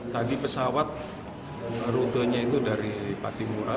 tadi pesawat rutenya itu dari patimura